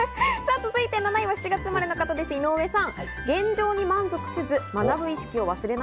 続いて７位は７月生まれの方です、井上さん。